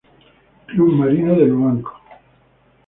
Club Marino de Luanco